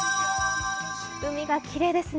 海がきれいですね。